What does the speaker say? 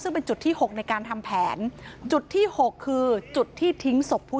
ซึ่งเป็นจุดที่หกในการทำแผน